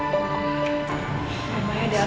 sebenarnya kami mau menghubungi kamu sebelum kejadian ini